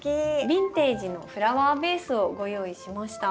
ビンテージのフラワーベースをご用意しました。